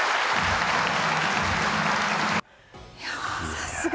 さすが。